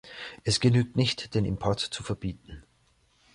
Es genügt nicht, den Import zu verbieten.